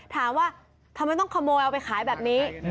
ถามว่าทำไมต้องขโมยเอาไปขายแบบนี้